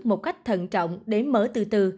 một cách thận trọng để mở từ từ